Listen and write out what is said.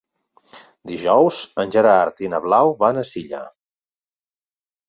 Dijous en Gerard i na Blau van a Silla.